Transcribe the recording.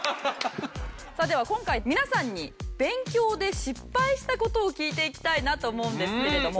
さあでは今回皆さんに勉強で失敗した事を聞いていきたいなと思うんですけれども。